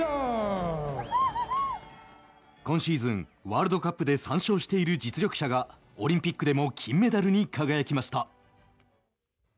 今シーズン、ワールドカップで３勝している実力者がオリンピックでも金メダルに輝きました。